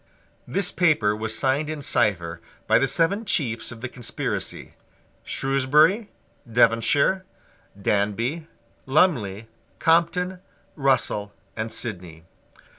This paper was signed in cipher by the seven chiefs of the conspiracy, Shrewsbury, Devonshire, Danby, Lumley, Compton, Russell and Sidney.